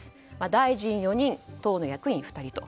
大臣４人、党役員２人と。